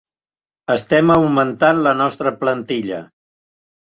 Estem augmentant la nostra plantilla.